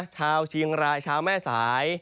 ชาวชีวิงราชแม่สาย